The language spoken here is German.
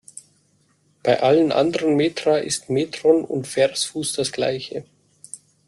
Bei allen anderen Metra ist Metron und Versfuß das gleiche.